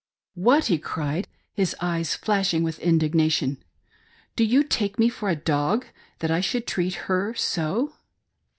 "What !" he cried, his eyes flashing with indignation ;" do jrou take me for a dbg that I should treat ker so